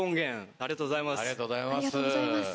ありがとうございます。